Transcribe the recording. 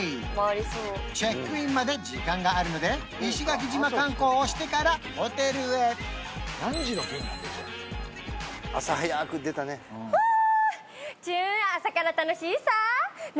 チェックインまで時間があるので石垣島観光をしてからホテルへフォー！